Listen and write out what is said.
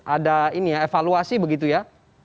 ada evaluasi begitu ya